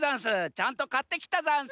ちゃんとかってきたざんす。